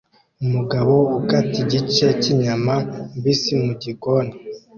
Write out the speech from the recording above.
Umugabo ukata igice cyinyama mbisi mugikoni